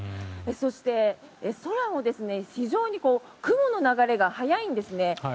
そして空も非常に雲の流れが速いんですね。